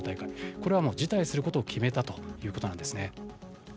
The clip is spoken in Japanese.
これは辞退することを決めたということです。